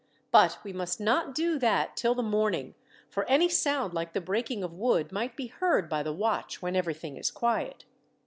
But we must not do that till the morning, for any sound like the breaking of wood might be heard by the watch, when everything is quiet."